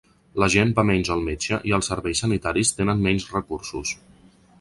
La gent va menys al metge i els serveis sanitaris tenen menys recursos.